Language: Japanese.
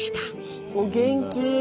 お元気。